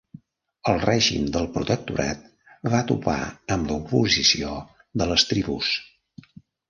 El règim del protectorat va topar amb l'oposició de les tribus.